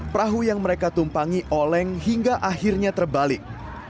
perahu yang mereka tumpangi oleng hingga akhirnya terbalik